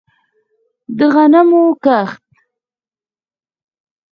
د غنمو کښت